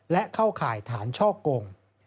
และเข้าข่ายฐานช่อกง